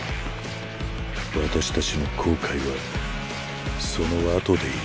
私たちの後悔はそのあとでいい。